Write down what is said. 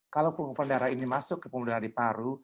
kalau pengumpulan darah ini masuk ke pemulung darah di paru